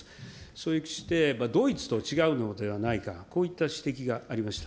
そして、ドイツと違うのではないか、こういった指摘がありました。